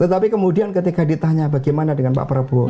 tetapi kemudian ketika ditanya bagaimana dengan pak prabowo